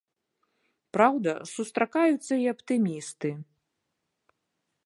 Праўда, сустракаюцца і аптымісты.